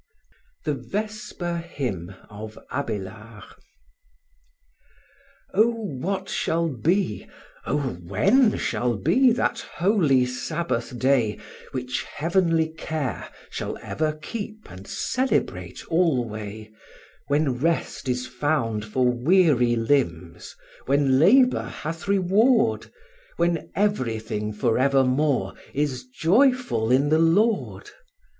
THE VESPER HYMN OF ABÉLARD Oh, what shall be, oh, when shall be that holy Sabbath day, Which heavenly care shall ever keep and celebrate alway, When rest is found for weary limbs, when labor hath reward, When everything forevermore is joyful in the Lord?